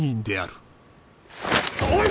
おい！